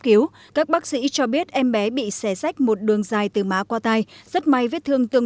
cứu các bác sĩ cho biết em bé bị xẻ rách một đường dài từ má qua tay rất may vết thương tương